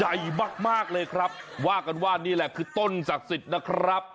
ใหญ่มากมากเลยครับว่ากันว่านี่แหละคือต้นศักดิ์สิทธิ์นะครับ